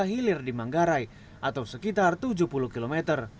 bima arya menghilir di manggarai atau sekitar tujuh puluh km